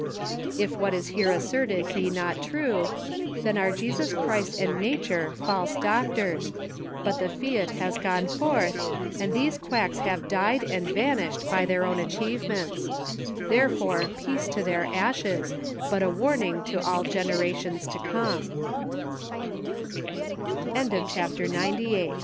If what is here asserted be not true, then are Jesus Christ and nature false doctors ; but the fiat has gone forth, and these quacks have died and vanished by their own achieve ments ; therefore peace to their ashes, but a warning to a